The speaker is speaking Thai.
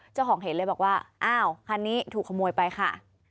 เจ้าของเห็นเลยบอกว่าอ้าวคันนี้ถูกขโมยไปค่ะ